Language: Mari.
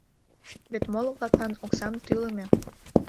Вет моло-влаклан оксам тӱлымӧ.